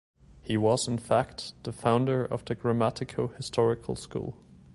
He was, in fact, the founder of the grammatico-historical school.